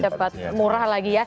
cepat murah lagi ya